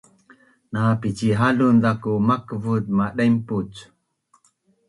Na picihalun ku makvut madaimpuc